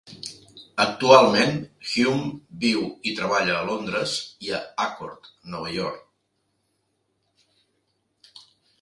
Actualment, Hume viu i treballa a Londres i a Accord, Nova York.